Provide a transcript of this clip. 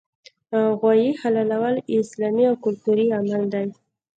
غوايي حلالول یو اسلامي او کلتوري عمل دی